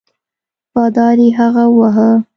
بادار یې هغه وواهه.